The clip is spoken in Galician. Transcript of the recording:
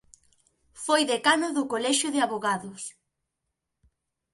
Foi decano do Colexio de Avogados.